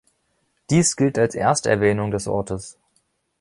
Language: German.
Dies gilt als Ersterwähnung des Ortes.